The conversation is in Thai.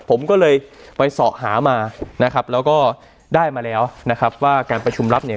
ผมก็เลยไปสอบหามานะครับแล้วก็ได้มาแล้วนะครับว่าการประชุมรับเนี่ย